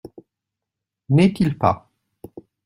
N’est-il pas ?